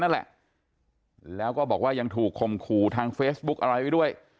นั่นแหละแล้วก็บอกว่ายังถูกคมขู่ทางเฟซบุ๊กอะไรไว้ด้วย